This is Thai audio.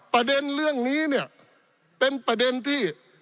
ประเด็นเรื่องนี้เนี่ยเป็นประเด็นที่